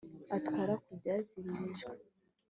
atwara ku byaziririjwe